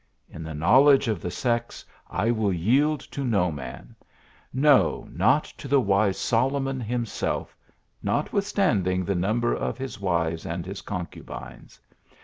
In the knowledge of the sex, 1 will yield to no man , no, not to the wise Solomon himself, notwithstanding the number of his wives and his concubines.